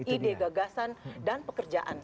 ide gagasan dan pekerjaan